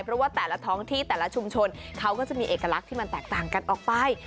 เพราะว่าแต่ละท้องที่แต่ละชุมชนเขาก็จะมีเอกลักษณ์ที่มันแตกต่างกันออกไป